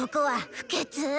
不潔！